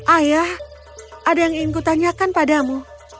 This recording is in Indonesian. ayah ada yang ingin ku tanyakan padamu